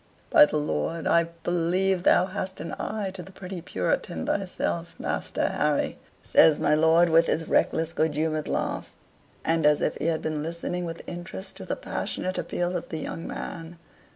"By the Lord, I believe thou hast an eye to the pretty Puritan thyself, Master Harry," says my lord, with his reckless, good humored laugh, and as if he had been listening with interest to the passionate appeal of the young man.